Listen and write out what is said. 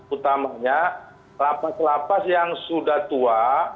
utamanya la paz la paz yang sudah tua